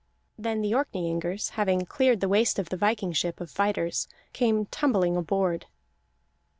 Then the Orkneyingers, having cleared the waist of the viking ship of fighters, came tumbling aboard.